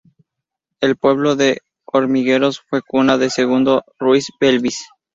El pueblo de Hormigueros Fue cuna de Segundo Ruiz Belvis.